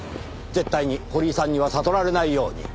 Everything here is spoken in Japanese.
絶対に堀井さんには悟られないように。